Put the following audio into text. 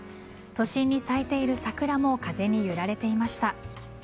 都心に咲いている桜も風に揺られていました。